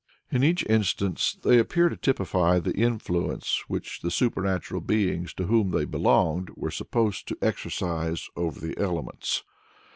" In each instance they appear to typify the influence which the supernatural beings to whom they belonged were supposed to exercise over the elements.